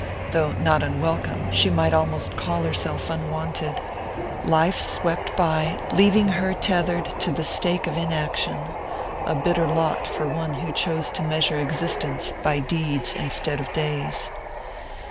Though not unwelcome, she might almost call herself unwanted; life swept by, leaving her tethered to the stake of inaction; a bitter lot for one who chose to measure existence by deeds instead of days.